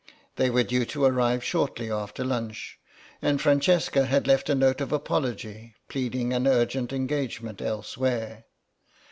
They were due to arrive shortly after lunch, and Francesca had left a note of apology, pleading an urgent engagement elsewhere.